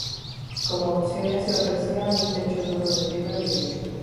Como opciones, se ofrecía un techo duro de fibra de vidrio.